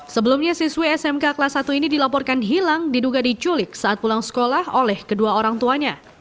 sebelumnya siswi smk kelas satu ini dilaporkan hilang diduga diculik saat pulang sekolah oleh kedua orang tuanya